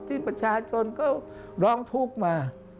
ที่ประชาชนก็ร้องทุกข์มา